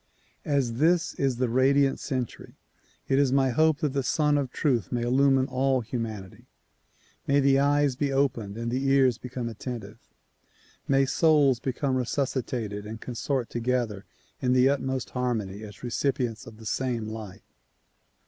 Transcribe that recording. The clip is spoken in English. As this is the radiant century, it is my hope that the Sun of Truth may illumine all humanity. May the eyes be opened and the ears become attentive ; may souls become resuscitated and con sort together in the utmost harmony as recipients of the same light.